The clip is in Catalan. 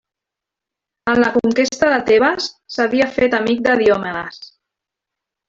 En la conquesta de Tebes s'havia fet amic de Diomedes.